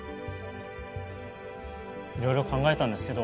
いろいろ考えたんですけど